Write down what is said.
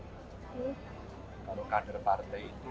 kalau kader partai itu